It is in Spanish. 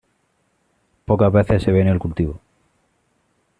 Pocas veces se ve en el cultivo.